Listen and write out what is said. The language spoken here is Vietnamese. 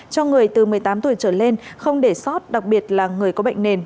cho người từ một mươi tám tuổi trở lên không để sót đặc biệt là người có bệnh nền